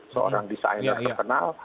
seorang desainer terkenal